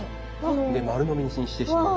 で丸のみにしてしまう。